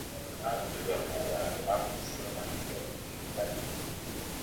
Abantu bo mu byalo bakosebwa nnyo endwadde .